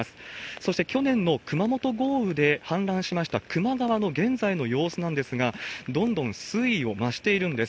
そして、去年の熊本豪雨で氾濫しました球磨川の現在の様子なんですが、どんどん水位を増しているんです。